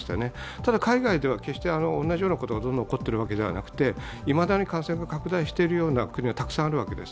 ただ、海外では同じようなことが起こっているのではなくて、いまだに感染が拡大しているような国はたくさんあるわけです。